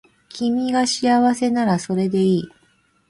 君が幸せならそれでいい